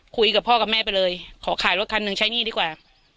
คุยกับพ่อกับแม่ไปเลยขอขายรถคันหนึ่งใช้หนี้ดีกว่า